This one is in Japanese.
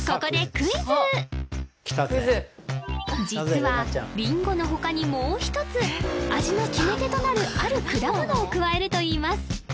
実はリンゴのほかにもう一つ味の決め手となるある果物を加えるといいます